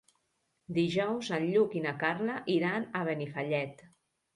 Dijous en Lluc i na Carla iran a Benifallet.